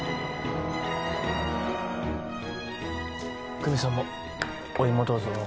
久美さんもお芋どうぞ。